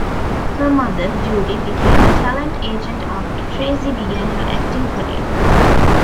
Her mother, Judy, became a talent agent after Tracie began her acting career.